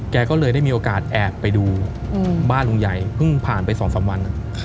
แกก็เลยได้มีโอกาสแอบไปดูบ้านลุงใหญ่เพิ่งผ่านไป๒๓วัน